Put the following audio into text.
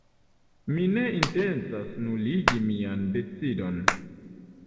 Mi ne intencas nuligi mian decidon.